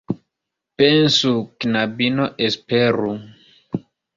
Pensu, knabino, esperu!